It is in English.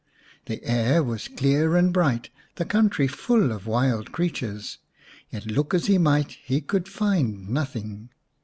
The air was clear and bright, the country full of wild creatures, yet look as he might he could find nothing.